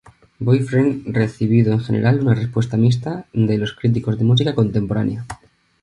Boyfriend recibido en general una respuesta mixta de los críticos de música contemporánea.